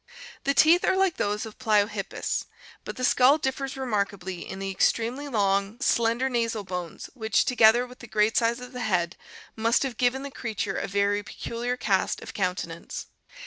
The teeth are like those of Pliokippus, but the skull differs remarkably in the extremely long, slender nasal 1£ u ii i| Ji ii ill '11 HORSES 619 8 bones which, together with the great size of the head, must have given the creature a very peculiar cast of countenance.